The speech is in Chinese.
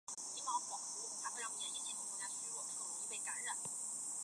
瑞利衰落模型适用于描述建筑物密集的城镇中心地带的无线信道。